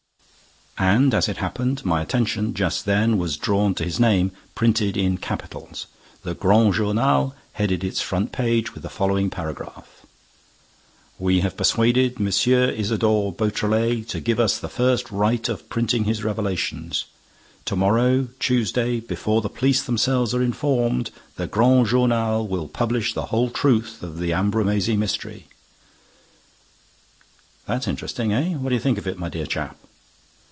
And, as it happened, my attention, just then, was drawn to his name, printed in capitals. The Grand Journal headed its front page with the following paragraph: We have persuaded M. ISIDORE BEAUTRELET _to give us the first right of printing his revelations. To morrow, Tuesday, before the police themselves are informed, the_ Grand Journal will publish the whole truth of the Ambrumésy mystery. "That's interesting, eh? What do you think of it, my dear chap?"